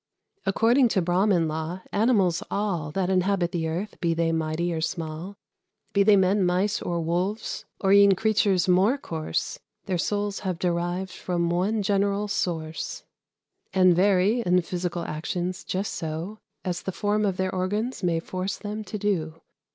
According to Brahmin law, animals all That inhabit the earth, be they mighty or small, Be they men, mice, or wolves, or e'en creatures more coarse, Their souls have derived from one general source; And vary, in physical actions, just so As the form of their organs may force them to do.